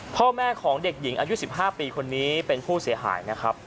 พ่อแม่ของเด็กหญิงอายุ๑๕ปีคนนี้เป็นผู้เสียหายนะครับ